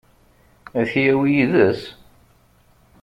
Ad t-yawi yid-s?